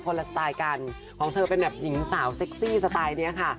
ละสไตล์กันของเธอเป็นแบบหญิงสาวเซ็กซี่สไตล์นี้ค่ะ